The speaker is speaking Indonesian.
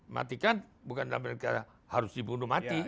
matikan bukan dalam benar benar kata harus dibunuh mati